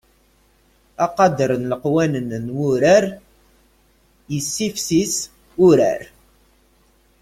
Aqader n leqwanen n wurar yessifsis urar.